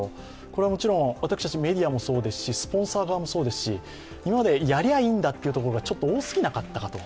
これはもちろん私たちメディアもそうですし、スポンサー側もそうですし今まで、やりゃあいんだという部分がちょっと多過ぎなかったかと。